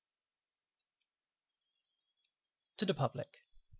TO THE PUBLIC.